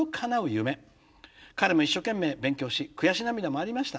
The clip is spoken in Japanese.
彼も一生懸命勉強し悔し涙もありました。